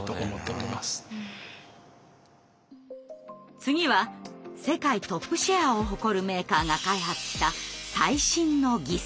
次は世界トップシェアを誇るメーカーが開発した最新の義足。